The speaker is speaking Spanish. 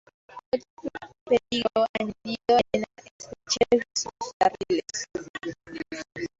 Otro peligro añadido es la estrechez de sus carriles.